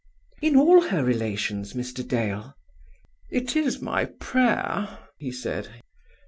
"In all her relations, Mr. Dale!" "It is my prayer," he said.